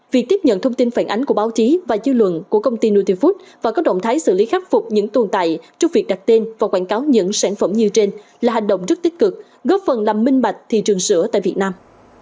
việc tiếp nhận thông tin phản ánh của báo chí và dư luận của công ty nutifood và các động thái xử lý khắc phục những tồn tại trong việc đặt tên và quảng cáo những sản phẩm như trên là hành động rất tích cực góp phần làm minh bạch thị trường sữa tại việt nam